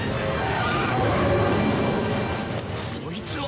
そいつは！？